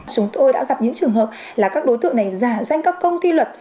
chúng tôi đã gặp những trường hợp là các đối tượng này giả danh các công ty luật